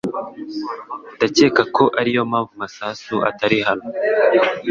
Ndakeka ko ariyo mpamvu Masasu atari hano